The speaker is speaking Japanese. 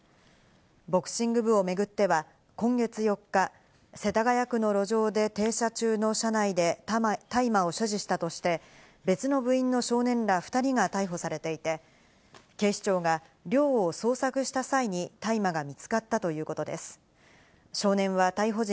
ボクシング部を巡っては今月４日、世田谷区の路上で停車中の車内で大麻を所持したとして、別の部員の少年ら２人が逮捕されていて、警視庁が寮を捜索した際関東のお天気です。